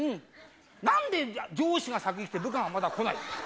何で上司が先に来て部下がまだ来ない